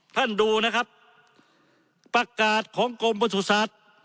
ท่านดูนะครับประกาศของกรมประสุทธิ์